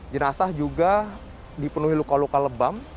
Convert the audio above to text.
jenazah juga dipenuhi luka luka lebam